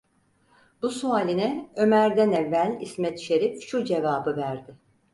Bu sualine Ömer’den evvel İsmet Şerif şu cevabı verdi: